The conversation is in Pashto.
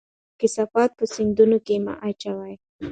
کثافات په سیندونو کې مه اچوئ.